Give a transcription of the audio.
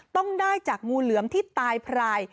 ต้องได้จากงูเหลือมที่ตายพราย